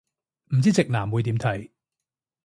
唔知直男會點睇